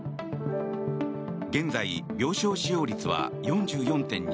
現在、病床使用率は４４．２％。